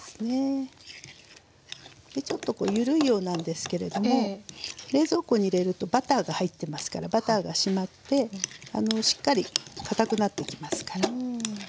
ちょっと緩いようなんですけれども冷蔵庫に入れるとバターが入ってますからバターが締まってしっかりかたくなってきますから。